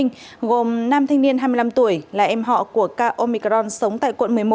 gồm nam thanh niên hai mươi năm tuổi là em họ của k omicron sống tại quận một mươi một